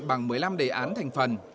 bằng một mươi năm đề án thành phần